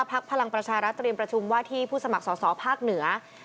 พลังประชารัฐเตรียมประชุมว่าที่ผู้สมัครสอสอภาคเหนือ